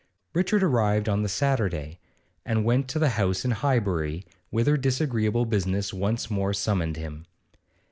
Richard arrived in town on the Saturday, and went to the house in Highbury, whither disagreeable business once more summoned him.